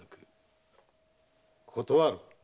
断る。